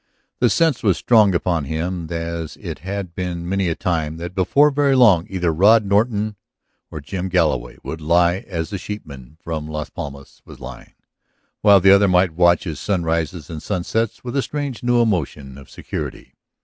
The sense was strong upon him as it had been many a time that before very long either Rod Norton or Jim Galloway would lie as the sheepman from Las Palmas was lying, while the other might watch his sunrises and sunsets with a strange, new emotion of security.